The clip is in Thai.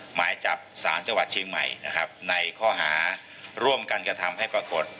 หมายจับสารจังหวัดเชียงใหม่นะครับในข้อหาร่วมกันกระทำให้ปรากฏ